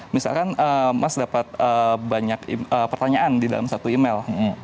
misalkan mas dapat banyak pertanyaan di dalam satu email